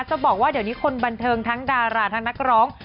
จะบอกว่าเดี๋ยวนี้คนบันเทิงทั้งดาราทั้งนักร้อง